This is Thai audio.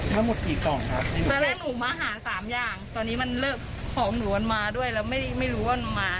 แต่แรกหนูมาหา๓อย่างตอนนี้มันเลิกหอมหนูอันมาด้วยแล้วไม่รู้อันมา